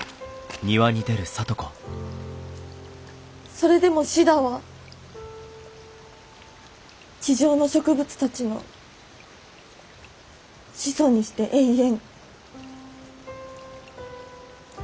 それでもシダは地上の植物たちの始祖にして永遠。